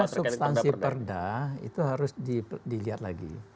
substansi perda itu harus dilihat lagi